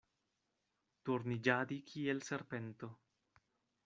Turniĝadi kiel serpento.